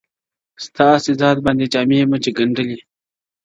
ستاسي ذات باندي جامې مو چي گنډلي!!